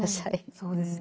そうですね。